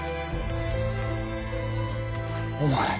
お前！